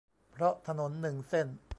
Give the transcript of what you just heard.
เพราะถนนหนึ่งเส้น